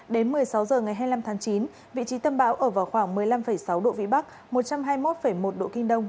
đến một mươi sáu h ngày hai mươi năm tháng chín vị trí tâm bão ở vào khoảng một mươi năm sáu độ vĩ bắc một trăm hai mươi một một độ kinh đông